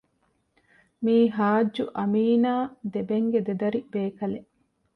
މީ ޙާއްޖު އަމީނާ ދެބެންގެ ދެދަރި ބޭކަލެއް